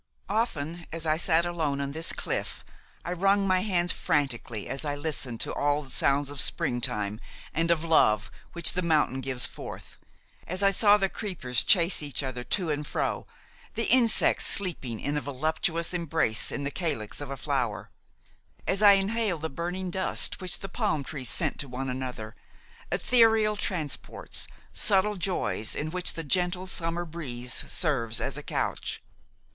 "Often as I sat alone on this cliff I wrung my hands frantically as I listened to all the sounds of spring time and of love which the mountain gives forth, as I saw the creepers chase each other to and fro, the insects sleeping in a voluptuous embrace in the calyx of a flower, as I inhaled the burning dust which the palm trees sent to one another–etheral transports, subtle joys to which the gentle summer breeze serves as a couch.